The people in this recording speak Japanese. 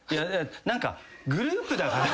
何かグループだから。